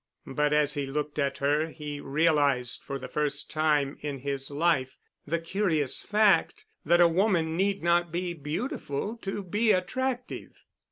But as he looked at her he realized for the first time in his life the curious fact that a woman need not be beautiful to be attractive.